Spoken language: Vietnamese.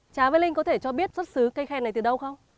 trá với linh có thể cho biết xuất xứ cây khen này từ đâu không